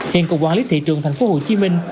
hiện cục quản lý thị trường thành phố hồ chí minh